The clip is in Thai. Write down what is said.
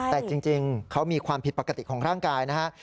แต่จริงเขามีความผิดปกติของร่างกายนะฮะ